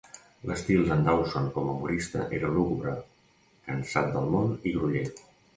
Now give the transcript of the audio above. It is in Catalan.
L'estil d'en Dawson com a humorista era lúgubre, cansat del món i groller.